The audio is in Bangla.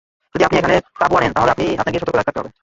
যদি আপনি এখানে তাবু আনেন, তাহলে আপনাকে সতর্ক থাকতে হবে।